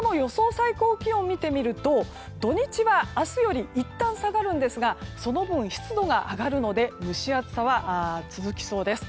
最高気温を見てみると土日は明日よりいったん下がるんですがその分、湿度が上がるので蒸し暑さは続きそうです。